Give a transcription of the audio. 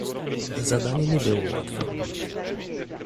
Zadanie nie było łatwe